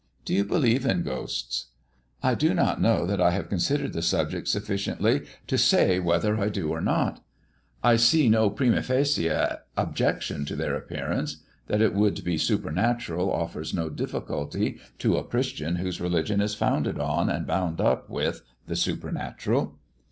Do you believe in ghosts?" "I do not know that I have considered the subject sufficiently to say whether I do or not. I see no primâ facie objection to their appearance. That it would be supernatural offers no difficulty to a Christian whose religion is founded on, and bound up with, the supernatural."